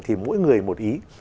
thì mỗi người một ý